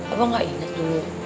abah gak inget dulu